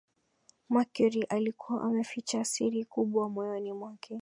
mercury alikuwa ameficha siri kubwa moyoni mwake